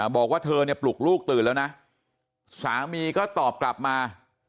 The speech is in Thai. บอกว่าเธอเนี่ยปลุกลูกตื่นแล้วนะสามีก็ตอบกลับมา